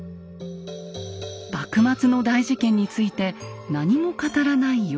幕末の大事件について何も語らない慶喜。